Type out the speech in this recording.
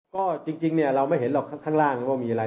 ก็จริงเนี่ยเราไม่เห็นหรอกข้างล่างว่ามีอะไร